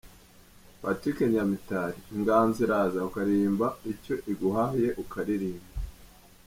Patrick Nyamitari : Inganzo iraza ukaririmba icyo iguhaye ukaririmba.